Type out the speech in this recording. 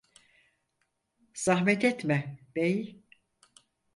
Zahmet etme, bey…